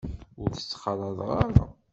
Ur tt-ttxalaḍeɣ ara.